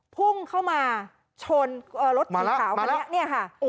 พุ่งเข้ามาชนรถสีขาวมาแล้วเนี่ยค่ะ